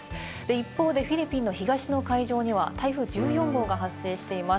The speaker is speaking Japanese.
一方でフィリピンの東の海上には台風１４号が発生しています。